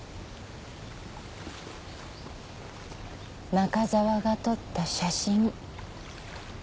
中沢が撮った写真。